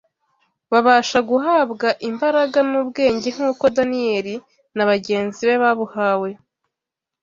babasha guhabwa imbaraga n’ubwenge nk’uko Daniyeli na bagenzi be babuhawe